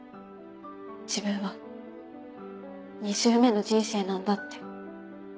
「自分は２周目の人生なんだ」って。